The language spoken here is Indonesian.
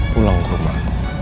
pulang ke rumah